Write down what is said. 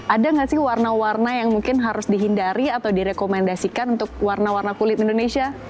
ada nggak sih warna warna yang mungkin harus dihindari atau direkomendasikan untuk warna warna kulit indonesia